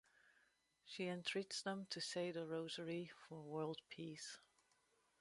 She entreats them to say the Rosary for world peace.